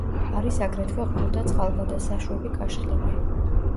არის აგრეთვე ყრუ და წყალგადასაშვები კაშხლები.